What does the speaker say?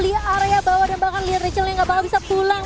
lihat area bawah dan bahkan lihat raciel yang gak bakal bisa pulang